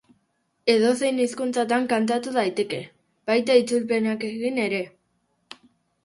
Edozein hizkuntzatan kantatu daiteke, baita itzulpenak egin ere.